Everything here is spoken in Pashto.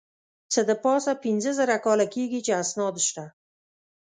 څه د پاسه پینځه زره کاله کېږي چې اسناد شته.